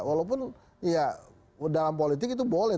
walaupun ya dalam politik itu boleh